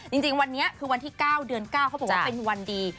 จริงวันนี้คือวันที่๙เดือน๙เขาบอกว่าเป็นวันดี